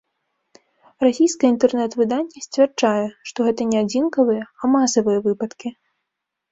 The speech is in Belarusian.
Расійскае інтэрнэт-выданне сцвярджае, што гэта не адзінкавыя, а масавыя выпадкі.